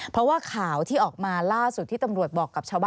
เพราะว่าข่าวที่ออกมาล่าสุดที่ตำรวจบอกกับชาวบ้าน